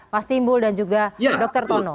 mas timbul dan juga dr tono